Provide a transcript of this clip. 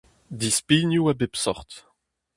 Dispignoù a bep seurt.